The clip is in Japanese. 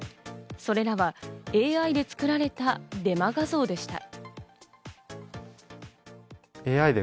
それらはＡＩで作られたデマ画像でした。